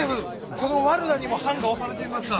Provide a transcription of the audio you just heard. このワルダにもはんがおされていますが。